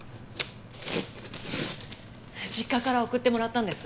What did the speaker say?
実家から送ってもらったんです。